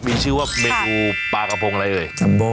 มีชื่อว่าเมนูปลากระพงอะไรเอ่ยซัมโบ